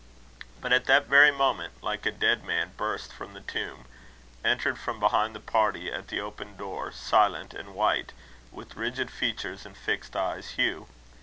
But at that very moment, like a dead man burst from the tomb, entered from behind the party at the open door, silent and white, with rigid features and fixed eyes, Hugh.